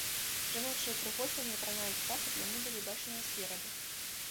Жаночыя ўпрыгожванні апранаюць так, каб яны былі бачныя спераду.